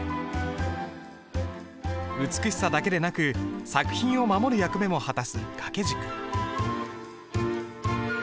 美しさだけでなく作品を守る役目も果たす掛軸。